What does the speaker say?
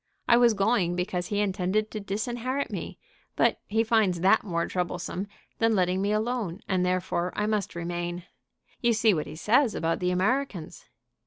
I was going because he intended to disinherit me; but he finds that more troublesome than letting me alone, and therefore I must remain. You see what he says about the Americans."